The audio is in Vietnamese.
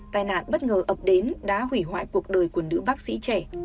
tài nạn bất ngờ ập đến đã hủy hoại cuộc đời của nữ bác sĩ trẻ